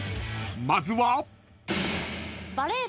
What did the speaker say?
［まずは］